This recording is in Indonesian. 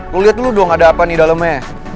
lo liat dulu dong ada apa nih dalemnya